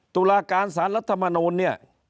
ตุลาการสารรัฐมนูลเนี่ย